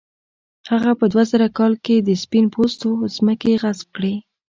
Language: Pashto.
هغه په دوه زره کال کې د سپین پوستو ځمکې غصب کړې.